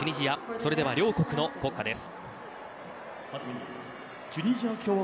それでは両国の国歌です。